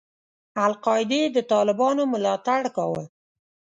القاعدې د طالبانو ملاتړ کاوه.